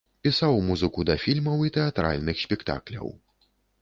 Пісаў музыку да фільмаў і тэатральных спектакляў.